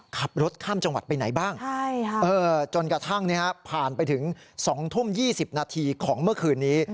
ขับรถข้ามจังหวัดไปไหนบ้างจนกระทั่งผ่านไปถึง๒ทุ่ม๒๐นาทีของเมื่อคืนนี้